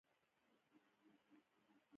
دا خبره د قران او سنت څخه ښکاره معلوميږي